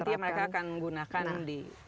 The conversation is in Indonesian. nanti yang mereka akan gunakan di